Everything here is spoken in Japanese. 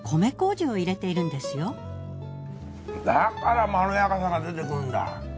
だからまろやかさが出てくるんだ。